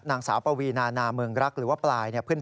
นางสาวปวีนานาเมืองรักหรือว่าปลาย